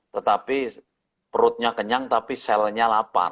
tetapi perutnya kenyang tetapi sel selnya lapar